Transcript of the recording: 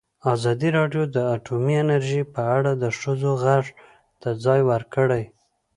ازادي راډیو د اټومي انرژي په اړه د ښځو غږ ته ځای ورکړی.